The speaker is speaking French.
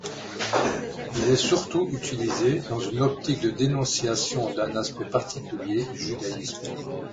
Il est surtout utilisé dans une optique de dénonciation d'un aspect particulier du judaïsme.